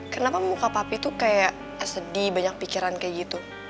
kenapa muka papi tuh kayak sedih banyak pikiran kayak gitu